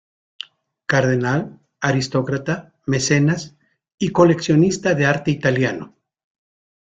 Cardenal, aristócrata, mecenas y coleccionista de arte italiano.